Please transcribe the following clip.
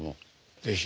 是非。